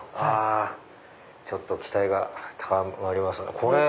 ちょっと期待が高まります。